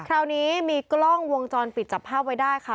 คราวนี้มีกล้องวงจรปิดจับภาพไว้ได้ค่ะ